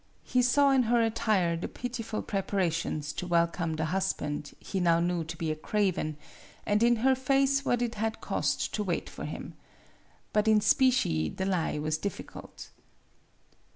He saw in her at tire the pitiful preparations to welcome the husband he now knew to be a craven, and in her face what it had cost to wait for him. But in specie the lie was difficult.